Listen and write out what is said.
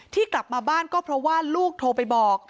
กลับมาบ้านก็เพราะว่าลูกโทรไปบอก